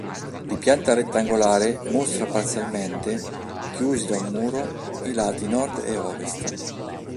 Di pianta rettangolare, mostra parzialmente, chiusi da un muro, i lati nord e ovest.